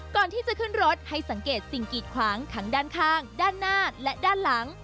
ก่อนที่จะขึ้นรถให้สังเกตสิ่งกีดขวางทั้งด้านข้างด้านหน้าและด้านหลัง